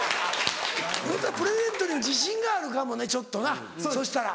プレゼントに自信があるかもねちょっとなそしたら。